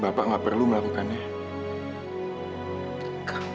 bapak gak perlu melakukannya